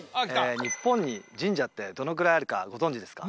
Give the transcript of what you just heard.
日本に神社ってどのくらいあるかご存じですか？